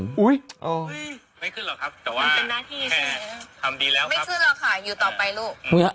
ไม่ขึ้นหรอกครับแต่ว่าทำดีแล้วครับไม่ขึ้นหรอกค่ะอยู่ต่อไปลูก